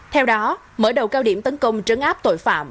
theo đó mở đầu cao điểm tấn công trấn áp tội phạm